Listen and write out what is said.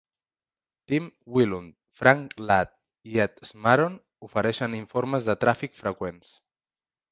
Tim Wilund, Frank Ladd i Ed Smaron ofereixen informes de tràfic freqüents.